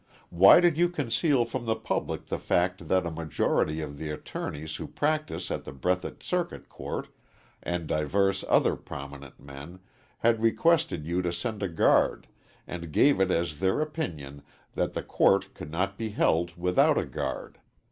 Why did you conceal from the public the fact that a majority of the attorneys who practice at the Breathitt Circuit Court ... and divers other prominent men, had requested you to send a guard, and gave it as their opinion that the court could not be held without a guard?